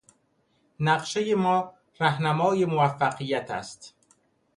نقشهی ما رهنمای موفقیت است.